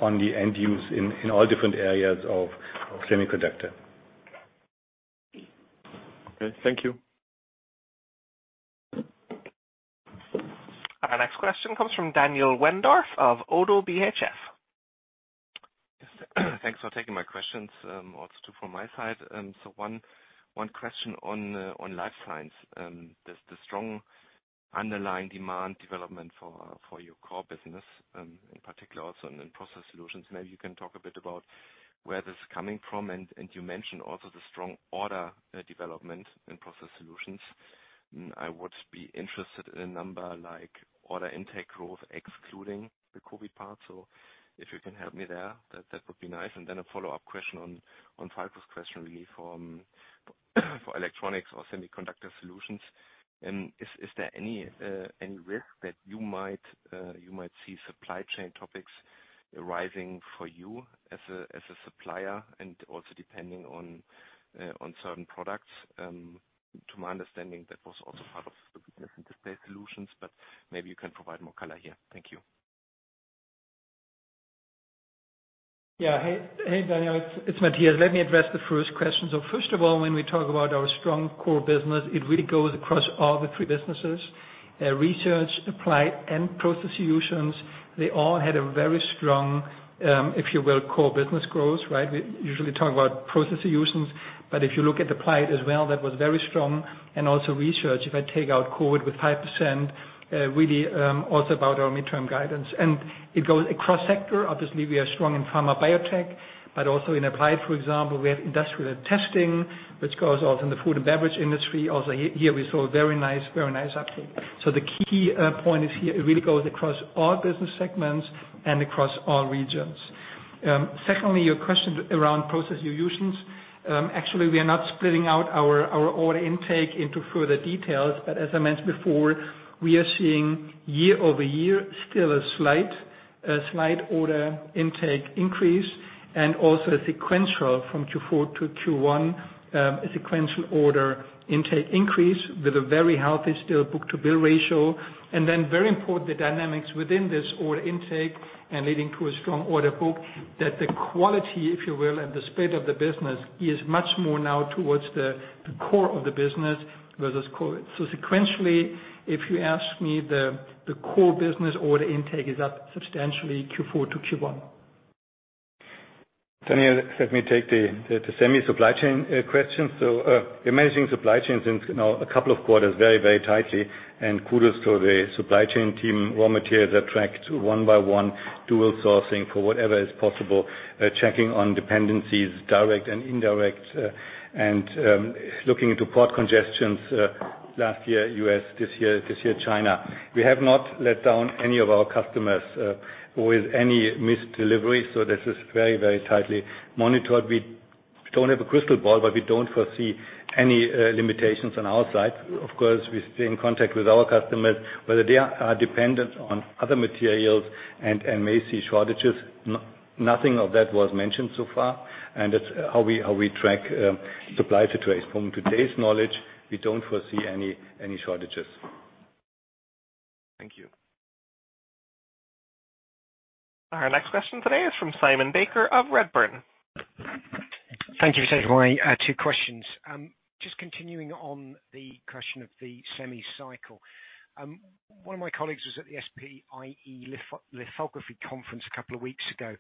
on the end use in all different areas of semiconductor. Okay, thank you. Our next question comes from Daniel Wendorff of Oddo BHF. Yes. Thanks for taking my questions, also too from my side. So one question on Life Science. Does the strong underlying demand development for your core business in particular also in Process Solutions maybe you can talk a bit about where this is coming from? You mentioned also the strong order development in Process Solutions. I would be interested in a number like order intake growth excluding the COVID part. So if you can help me there, that would be nice. Then a follow-up question on Falko's question really for electronics or Semiconductor Solutions. Is there any risk that you might see supply chain topics arising for you as a supplier and also depending on certain products? To my understanding, that was also part of the business in Display Solutions, but maybe you can provide more color here. Thank you. Hey, Daniel, it's Matthias. Let me address the first question. First of all, when we talk about our strong core business, it really goes across all the three businesses. Research, applied, and process solutions, they all had a very strong, if you will, core business growth, right? We usually talk about process solutions, but if you look at applied as well, that was very strong. Also research, if I take out COVID with 5%, really also about our mid-term guidance. It goes across sector. Obviously, we are strong in pharma biotech, but also in applied, for example, we have industrial testing, which goes out in the food and beverage industry. Also here we saw a very nice uptake. The key point is here, it really goes across all business segments and across all regions. Secondly, your question around Process Solutions. Actually, we are not splitting out our order intake into further details. As I mentioned before, we are seeing year-over-year still a slight order intake increase and also a sequential from Q4 to Q1, a sequential order intake increase with a very healthy still book-to-bill ratio. Then very important, the dynamics within this order intake and leading to a strong order book that the quality, if you will, and the speed of the business is much more now towards the core of the business versus COVID. Sequentially, if you ask me, the core business order intake is up substantially Q4 to Q1. Daniel, let me take the semi supply chain question. We're managing supply chains in, you know, a couple of quarters very, very tightly, and kudos to the supply chain team. Raw materials are tracked one by one, dual sourcing for whatever is possible, checking on dependencies, direct and indirect, and looking into port congestions last year, U.S., this year, China. We have not let down any of our customers with any missed delivery, so this is very, very tightly monitored. We don't have a crystal ball, but we don't foresee any limitations on our side. Of course, we stay in contact with our customers, whether they are dependent on other materials and may see shortages. Nothing of that was mentioned so far, and that's how we track supply situation. From today's knowledge, we don't foresee any shortages. Thank you. Our next question today is from Simon Baker of Redburn. Thank you for taking my two questions. Just continuing on the question of the semi cycle. One of my colleagues was at the SPIE Lithography conference a couple of weeks ago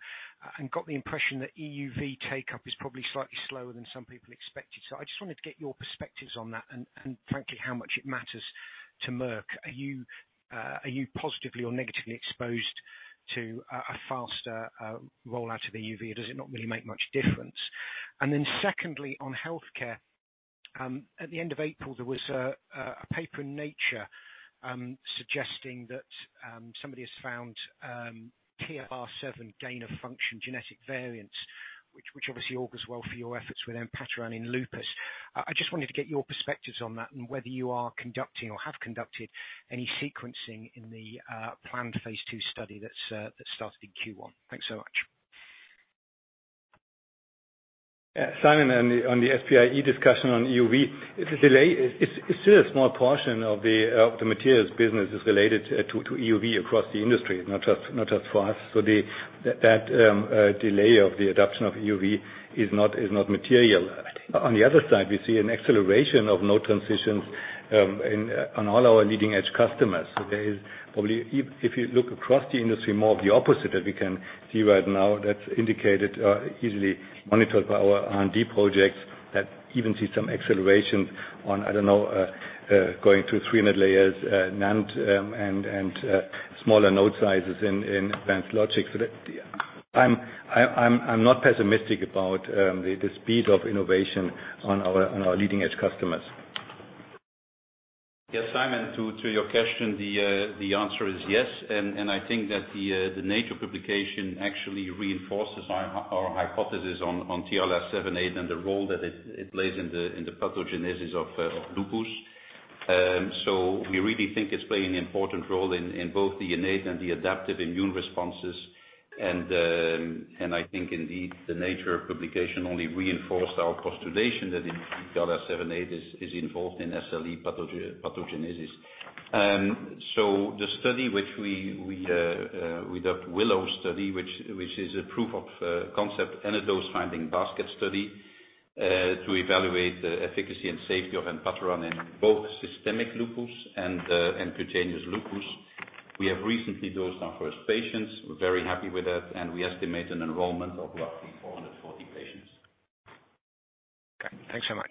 and got the impression that EUV uptake is probably slightly slower than some people expected. I just wanted to get your perspectives on that and frankly how much it matters to Merck. Are you positively or negatively exposed to a faster rollout of EUV, or does it not really make much difference? Then secondly, on healthcare, at the end of April, there was a paper in Nature suggesting that somebody has found TLR7 gain-of-function genetic variants, which obviously augurs well for your efforts with enpatoran in lupus. I just wanted to get your perspectives on that and whether you are conducting or have conducted any sequencing in the planned phase II study that's started in Q1. Thanks so much. Simon, on the SPIE discussion on EUV, the delay is still a small portion of the materials business is related to EUV across the industry, not just for us. That delay of the adoption of EUV is not material. On the other side, we see an acceleration of node transitions on all our leading-edge customers. If you look across the industry, more of the opposite that we can see right now that's indicated, easily monitored by our R&D projects that even see some acceleration on, I don't know, going through 3D NAND layers, NAND, and smaller node sizes in advanced logic. I'm not pessimistic about the speed of innovation on our leading-edge customers. Yes, Simon, to your question, the answer is yes. I think that the Nature publication actually reinforces our hypothesis on TLR7/8 and the role that it plays in the pathogenesis of lupus. We really think it's playing an important role in both the innate and the adaptive immune responses. I think indeed the Nature publication only reinforced our postulation that TLR7/8 is involved in SLE pathogenesis. The WILLOW study, which is a proof of concept and a dose finding basket study, to evaluate the efficacy and safety of napataran in both systemic lupus and cutaneous lupus. We have recently dosed our first patients. We're very happy with that, and we estimate an enrollment of roughly 440 patients. Okay. Thanks so much.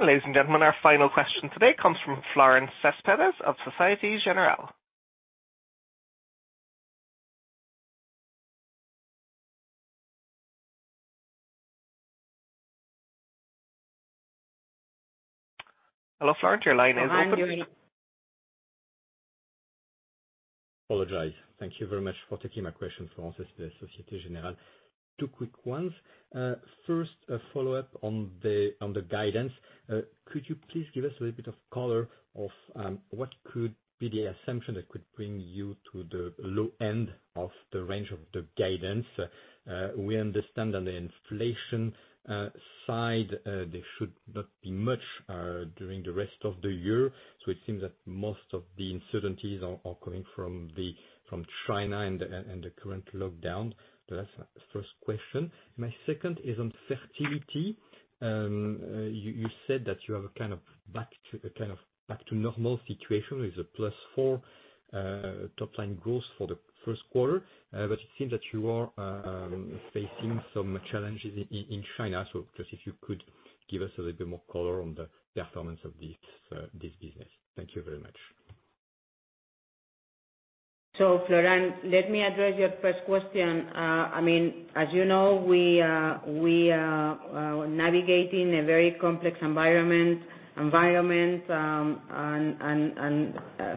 Ladies and gentlemen, our final question today comes from Florent Cespedes of Société Générale. Hello, Florent, your line is open. Hi, Yuri. Apologies. Thank you very much for taking my question. Florent Cespedes, Société Générale. Two quick ones. First, a follow-up on the guidance. Could you please give us a little bit of color on what could be the assumption that could bring you to the low end of the range of the guidance? We understand on the inflation side there should not be much during the rest of the year, so it seems that most of the uncertainties are coming from China and the current lockdown. That's my first question. My second is on fertility. You said that you have a kind of back to normal situation with a +4% top line growth for the first quarter. It seems that you are facing some challenges in China. Just if you could give us a little bit more color on the performance of this business? Thank you very much. Florent, let me address your first question. I mean, as you know, we are navigating a very complex environment and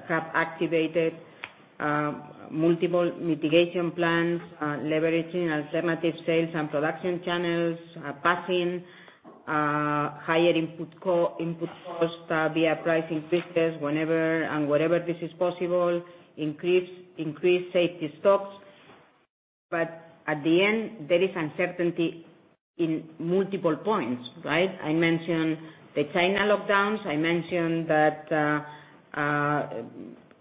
have activated multiple mitigation plans, leveraging alternative sales and production channels, passing on higher input costs via pricing fixes whenever and wherever this is possible, increase safety stocks. At the end, there is uncertainty in multiple points, right? I mentioned the China lockdowns. I mentioned that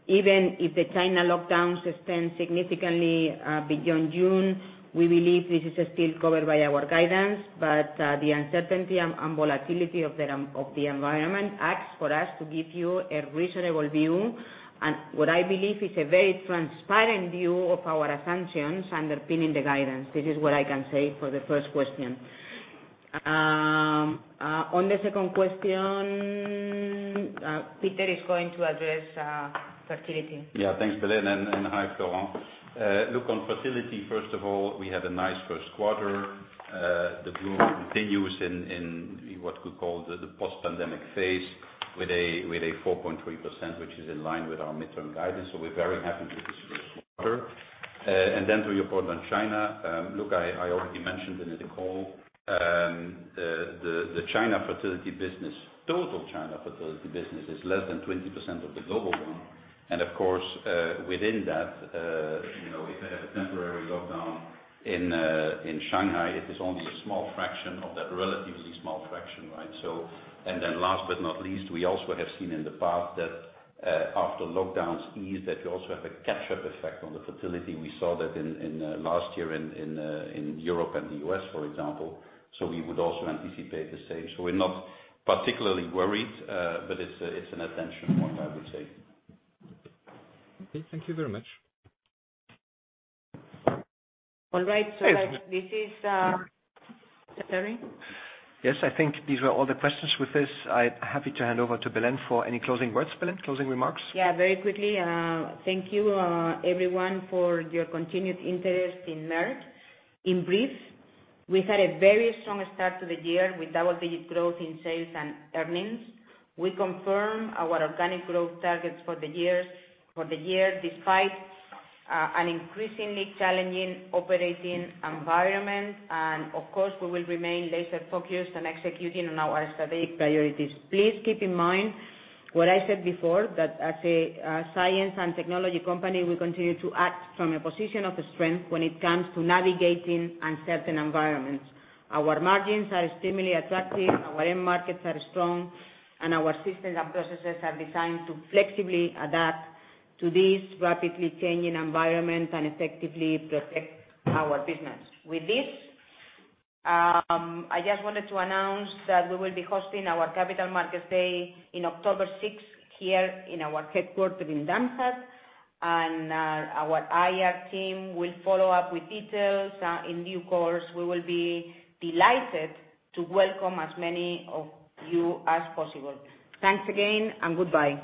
even if the China lockdowns extend significantly beyond June, we believe this is still covered by our guidance. The uncertainty and volatility of the environment asks for us to give you a reasonable view. What I believe is a very transparent view of our assumptions underpinning the guidance. This is what I can say for the first question. On the second question, Peter is going to address fertility. Yeah. Thanks, Belén, and hi, Florent. Look on fertility, first of all, we had a nice first quarter. The growth continues in what we call the post-pandemic phase with a 4.3%, which is in line with our midterm guidance. We're very happy with this first quarter. And then to your point on China, look, I already mentioned in the call, the China fertility business, total China fertility business is less than 20% of the global one. And of course, within that, you know, if they have a temporary lockdown in Shanghai, it is only a small fraction of that, relatively small fraction, right? Last but not least, we also have seen in the past that after lockdowns ease, that you also have a catch-up effect on the fertility. We saw that in last year in Europe and the U.S., for example. We would also anticipate the same. We're not particularly worried, but it's an attention point, I would say. Okay. Thank you very much. All right. This is [Terry]. Yes. I think these were all the questions. With this, I'm happy to hand over to Belén for any closing words. Belén, closing remarks. Yeah. Very quickly. Thank you, everyone, for your continued interest in Merck. In brief, we had a very strong start to the year with double-digit growth in sales and earnings. We confirm our organic growth targets for the year despite an increasingly challenging operating environment. Of course, we will remain laser-focused on executing on our strategic priorities. Please keep in mind what I said before, that as a science and technology company, we continue to act from a position of strength when it comes to navigating uncertain environments. Our margins are extremely attractive, our end markets are strong, and our systems and processes are designed to flexibly adapt to this rapidly changing environment and effectively protect our business. With this, I just wanted to announce that we will be hosting our Capital Markets Day in October sixth here in our headquarters in Darmstadt. Our IR team will follow up with details in due course. We will be delighted to welcome as many of you as possible. Thanks again and goodbye.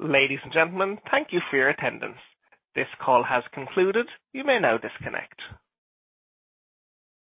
Ladies and gentlemen, thank you for your attendance. This call has concluded. You may now disconnect.